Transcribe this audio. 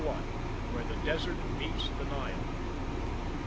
WHERE THE DESERT MEETS THE NILE.